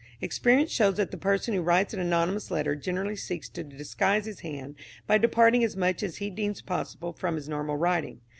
Experience shows that the person who writes an anonymous letter generally seeks to disguise his hand by departing as much as he deems possible from his normal writing.